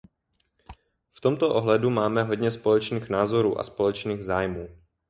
V tomto ohledu máme hodně společných názorů a společných zájmů.